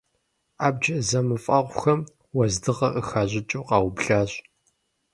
Абдж зэмыфэгъухэм уэздыгъэ къыхащӀыкӀыу къаублащ.